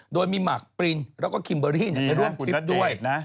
โดยมีหมากปรินแล้วก็คิมเบอร์รี่ไปร่วมทริปด้วย